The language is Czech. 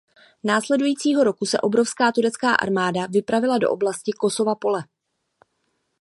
Následujícího roku se obrovská turecká armáda vypravila do oblasti Kosova pole.